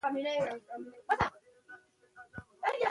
هغه زما لپاره لويه قرباني ورکړه